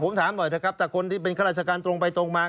ผมถามหน่อยเถอะครับถ้าคนที่เป็นข้าราชการตรงไปตรงมา